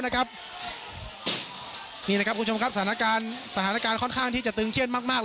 นี้นี่นะครับสถาทฯการค่อนข้างจะเติ่งเคียดมาก